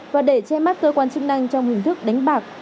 và để che mắt cơ quan chức năng trong hình thức đánh bạc